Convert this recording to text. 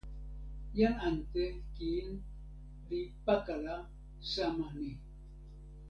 jan ante kin li pakala sama ni.